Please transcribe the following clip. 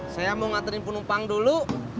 saya mau ngaturin penumpang dulu